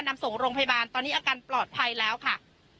นำส่งโรงพยาบาลตอนนี้อาการปลอดภัยแล้วค่ะ